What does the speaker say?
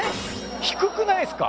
低くないですか？